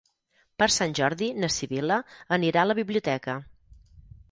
Per Sant Jordi na Sibil·la anirà a la biblioteca.